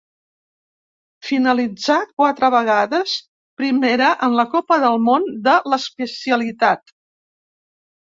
Finalitzà quatre vegades primera en la Copa del Món de l'especialitat.